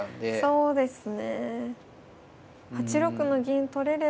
そうですね。